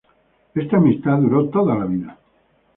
Esta amistad duró toda la vida.